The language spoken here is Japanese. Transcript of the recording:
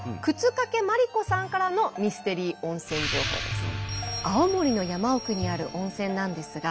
沓掛麻里子さんからのミステリー温泉情報です。